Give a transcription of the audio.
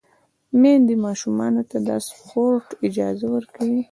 میندې ماشومانو ته د سپورت اجازه ورکوي۔